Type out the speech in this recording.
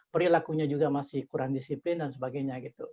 perilakunya juga masih kurang disiplin dan sebagainya gitu